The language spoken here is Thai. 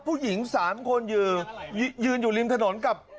ผู้หญิง๓คนยืนอยู่ริมถนนกับ